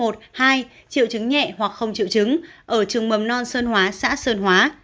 triệu chứng nhẹ hoặc không triệu chứng ở trường mầm non sơn hóa xã sơn hóa